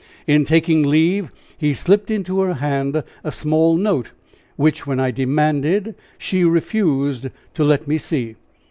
In taking leave he slipped into her hand a small note, which, when I demanded, she refused to let me see."